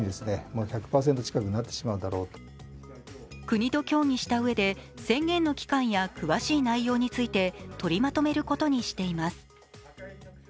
国と協議したうえで宣言の期間や詳しい内容について取りまとめることにしています。